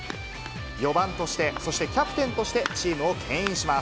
４番として、そしてキャプテンとして、チームをけん引します。